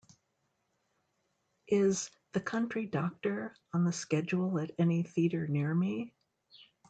Is The Country Doctor on the schedule at any theater near me?